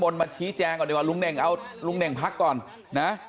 ผมก็อยู่กับผม